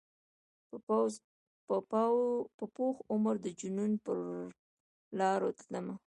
په پوخ عمر د جنون پرلاروتلمه